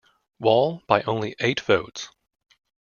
Wall by only eight votes.